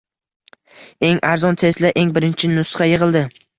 Eng arzon Tesla: eng birinchi nusxa yig‘ildi